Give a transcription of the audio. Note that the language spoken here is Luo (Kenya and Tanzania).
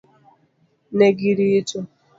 Ne girito.